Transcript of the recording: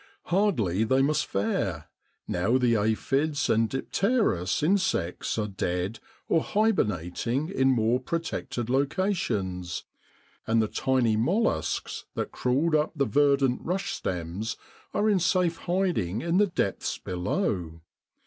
Hardly must they fare now the aphides and the dipterous insects are dead or hybernating in more protected locations, and the tiny molluscs that crawled up the verdant rush stems are in safe hiding in the depths below.